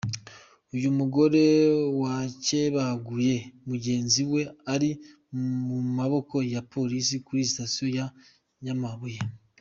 Uyu mugore wakebaguye mugenzi we ari mu maboko ya Polisi kuri sitasiyo ya Nyamabuye.